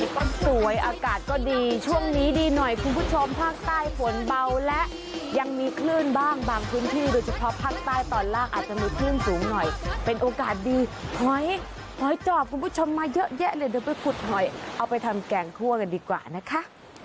ก็สวยอากาศก็ดีช่วงนี้ดีหน่อยคุณผู้ชมภาคใต้ฝนเบาและยังมีคลื่นบ้างบางพื้นที่โดยเฉพาะภาคใต้ตอนล่างอาจจะมีคลื่นสูงหน่อยเป็นโอกาสดีหอยหอยจอบคุณผู้ชมมาเยอะแยะเลยเดี๋ยวไปขุดหอยเอาไปทำแกงคั่วกันดีกว่านะคะ